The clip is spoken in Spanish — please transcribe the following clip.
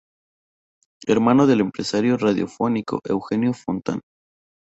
Hermano del empresario radiofónico Eugenio Fontán.